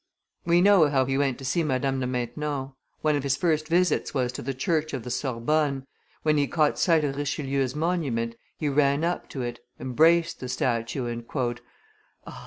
We know how he went to see Madame de Maintenon. One of his first visits was to the church of the Sorbonne; when he caught sight of Richelieu's monument, he ran up to it, embraced the statue, and, "Ah!